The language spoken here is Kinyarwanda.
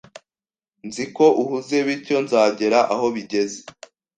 Nzi ko uhuze, bityo nzagera aho bigeze.